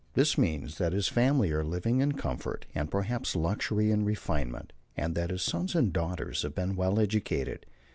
This means that his family are living in comfort, and perhaps luxury and refinement, and that his sons and daughters have been well educated.